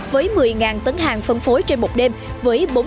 với một mươi tấn hàng phân phối trên một đường